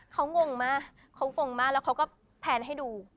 เขางงมาแล้วเขาก็แผนให้ดู